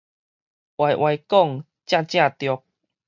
歪歪講，正正著